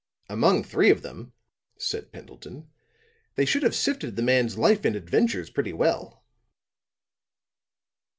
"Among three of them," said Pendleton, "they should have sifted the man's life and adventures pretty well."